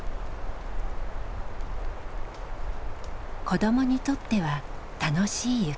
子どもにとっては楽しい雪。